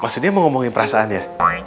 maksudnya mau ngomongin perasaan ya